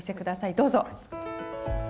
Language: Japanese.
どうぞ。